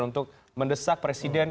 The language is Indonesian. untuk mendesak presiden